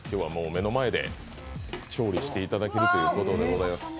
目の前で調理していただけるということです。